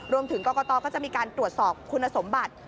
รวมถึงกรกตก็จะมีการตรวจสอบคุณสมบัติ